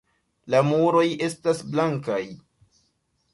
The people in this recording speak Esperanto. La muroj estas blankaj.